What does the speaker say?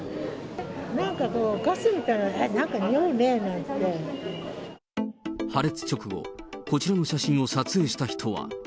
なんかこう、ガスみたいな、破裂直後、こちらの写真を撮影した人は。